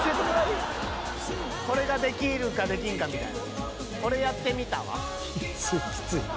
これができるかできんかみたいな。